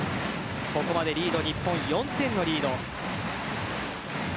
ここまで日本４点のリード。